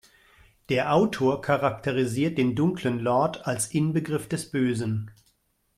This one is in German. Der Autor charakterisiert den dunklen Lord als Inbegriff des Bösen.